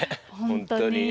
本当に。